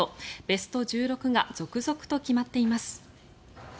ベスト１６が続々と決まっています。